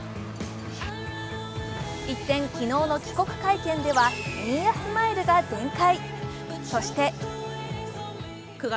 一転、昨日の帰国会見では新谷スマイルが全開。